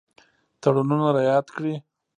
تړونونه رعایت کړي.